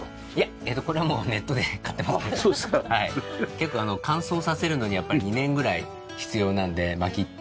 結構乾燥させるのにやっぱり２年ぐらい必要なので薪って。